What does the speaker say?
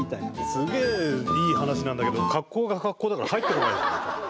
すげえいい話なんだけど格好が格好だから入ってこないんですよ。